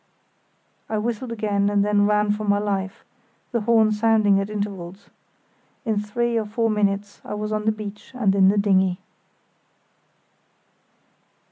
I whistled again and then ran for my life, the horn sounding at intervals. In three or four minutes I was on the beach and in the dinghy.